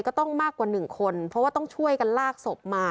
ก็ต้องมากกว่า๑คนเพราะว่าต้องช่วยกันลากศพมา